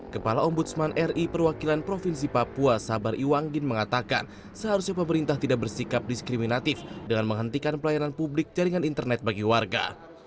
kepala ombudsman ri perwakilan provinsi papua sabar iwanggin mengatakan seharusnya pemerintah tidak bersikap diskriminatif dengan menghentikan pelayanan publik jaringan internet bagi warga